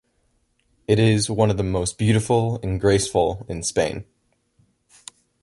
It is one of the most beautiful and graceful in Spain.